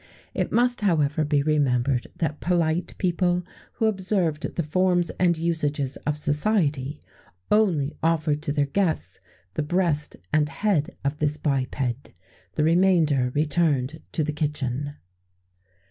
[XVII 45] It must, however, be remembered that polite people, who observed the forms and usages of society, only offered to their guests the breast and head of this biped; the remainder returned to the kitchen.